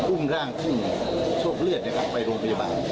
อุ้มร่างอุ้มโชคเลือดนะครับไปโรงพยาบาล